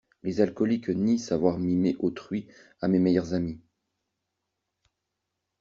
Les alcooliques nient savoir mimer autrui à mes meilleurs amis!